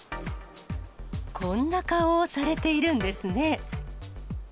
こんな顔をされているんです